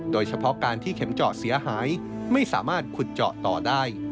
โดยเฉพาะการที่เข็มเจาะเสียหายไม่สามารถขุดเจาะต่อได้